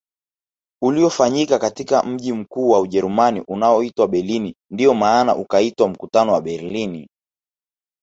Uliofanyika katika mji mkuu wa Ujerumani unaoitwa Berlin ndio maana ukaitwa mkutano wa Berlini